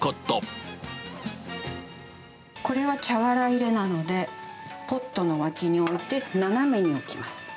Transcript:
これは茶殻入れなので、ポットの脇に置いて、斜めに置きます。